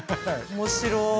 面白ーい。